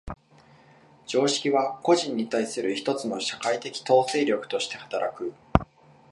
常識は個人に対する一つの社会的統制力として働く。